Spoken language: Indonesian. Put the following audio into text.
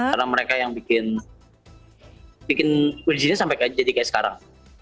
karena mereka yang bikin world genius sampai jadi kayak sekarang